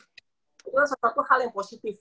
itu adalah satu hal yang positif